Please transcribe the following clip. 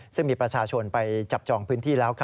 ซึ่งมีประชาชนไปจับจองพื้นที่แล้ว